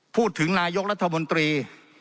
พูดถึงนายกรัฐมนตรี